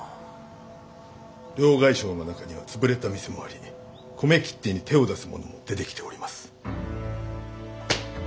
両替商の中には潰れた店もあり米切手に手を出す者も出てきております。